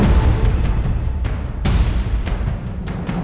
tidak ada yang bisa dihukum